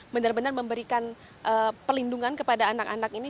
benar benar memberikan perlindungan kepada anak anak ini